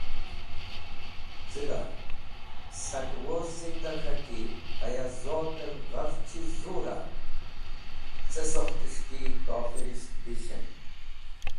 Z̃ẽg̃ha, sak e woz zinda k̃haki Haya Zoter ghafch chiz zur a ce sokhtes̃h ki kofirisht dishen?